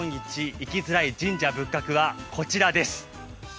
行きづらい神社仏閣」はこちらです。